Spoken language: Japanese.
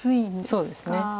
そうですね。